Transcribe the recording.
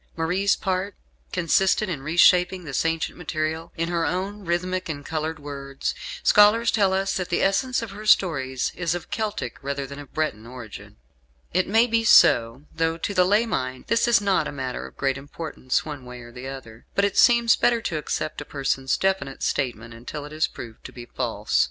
Marie's part consisted in reshaping this ancient material in her own rhythmic and coloured words. Scholars tell us that the essence of her stories is of Celtic rather than of Breton origin. It may be so; though to the lay mind this is not a matter of great importance one way or the other; but it seems better to accept a person's definite statement until it is proved to be false.